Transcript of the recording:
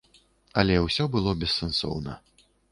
Але ўсё было бессэнсоўна.